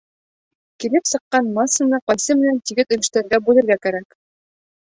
Килеп сыҡҡан массаны ҡайсы менән тигеҙ өлөштәргә бүлергә кәрәк.